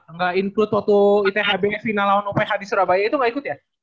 nggak include waktu ithb final lawan uph di surabaya itu gak ikut ya